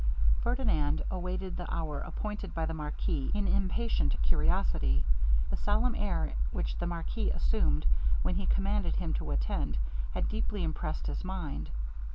Ferdinand awaited the hour appointed by the marquis in impatient curiosity. The solemn air which the marquis assumed when he commanded him to attend, had deeply impressed his mind.